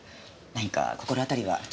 何か心当たりは？